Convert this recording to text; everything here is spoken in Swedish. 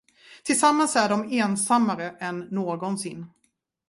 Tillsammans är de ensammare än någonsin.